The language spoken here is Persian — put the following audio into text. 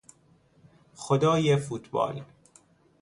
خدای فوتبال